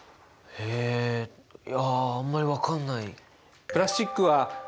えいやあんまり分かんない。